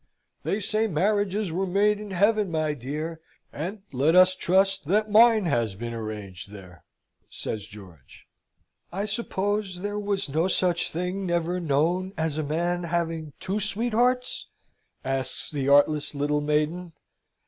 "They say marriages were made in Heaven, my dear, and let us trust that mine has been arranged there," says George. "I suppose there was no such thing never known, as a man having two sweethearts?" asks the artless little maiden.